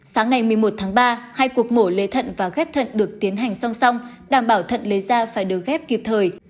sáng ngày một mươi một tháng ba hai cuộc mổ lấy thận và ghép thận được tiến hành song song đảm bảo thận lấy da phải được ghép kịp thời